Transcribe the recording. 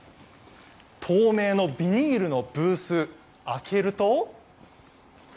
透明のビニールのブース、開けると。